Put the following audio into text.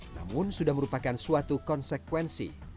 namun sudah merupakan suatu konsekuensi